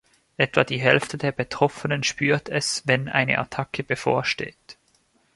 Etwa die Hälfte der Betroffenen spürt es, wenn eine Attacke bevorsteht.